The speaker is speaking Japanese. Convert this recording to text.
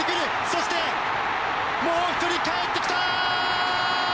そして、もう１人かえってきた！